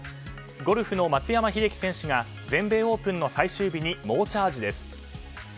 ゴルフの松山英樹選手が全米オープン最終日に猛チャージです。